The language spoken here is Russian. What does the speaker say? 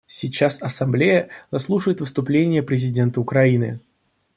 Сейчас Ассамблея заслушает выступление президента Украины.